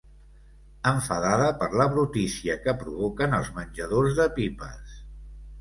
Enfadada per la brutícia que provoquen els menjadors de pipes.